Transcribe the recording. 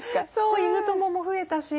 犬友も増えたし。